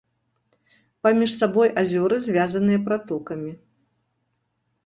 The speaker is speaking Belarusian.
Паміж сабой азёры звязаныя пратокамі.